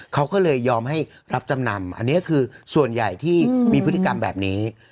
เขาก็เลยยอมให้รับจำนำอันนี้คือส่วนใหญ่ที่มีพฤติกรรมแบบนี้